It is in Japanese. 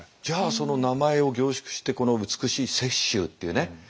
じゃあその名前を凝縮してこの美しい雪舟っていうね